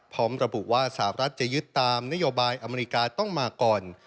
พร้อมระบุว่าสาวรัฐจะยึดตามนโยบายอเมริกาต้องมาก่อน